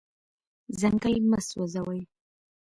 ځنګل مه سوځوئ.